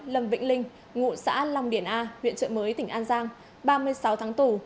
lâm vĩnh linh ngụ xã long điển a huyện trợ mới tỉnh an giang ba mươi sáu tháng tù